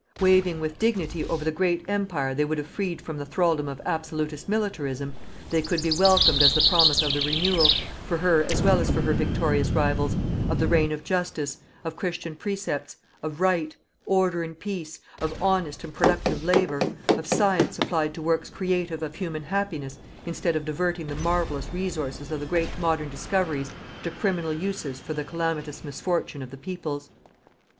Waving with dignity over the great Empire they would have freed from the thraldom of absolutist militarism, they could be welcomed as the promise of the renewal, for her as well as for her victorious rivals, of the reign of Justice, of Christian precepts, of Right, Order and Peace, of honest and productive Labour, of science applied to works creative of human happiness instead of diverting the marvellous resources of the great modern discoveries to criminal uses for the calamitous misfortune of the peoples.